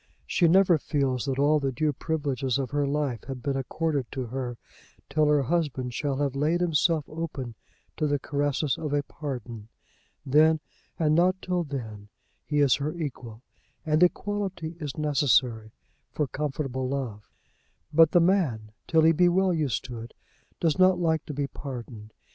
She never feels that all the due privileges of her life have been accorded to her, till her husband shall have laid himself open to the caresses of a pardon. Then, and not till then, he is her equal; and equality is necessary for comfortable love. But the man, till he be well used to it, does not like to be pardoned.